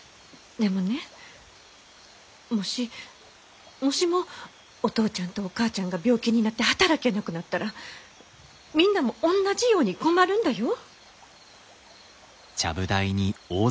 でもねもしもしもお父ちゃんとお母ちゃんが病気になって働けなくなったらみんなも同じように困るんだよ。